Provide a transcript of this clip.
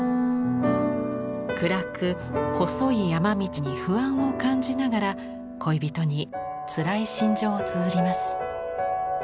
暗く細い山道に不安を感じながら恋人につらい心情をつづります。